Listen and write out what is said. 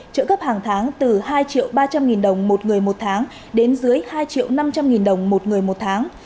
trợ cấp hàng tháng từ hai ba trăm linh đồng một người một tháng đến dưới hai năm trăm linh đồng một người một tháng